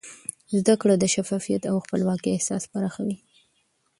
زده کړه د شفافیت او د خپلواکۍ احساس پراخوي.